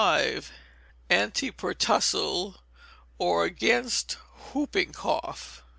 Antipertussal, or against Whooping Cough.